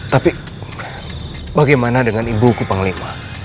tapi bagaimana dengan ibuku panglima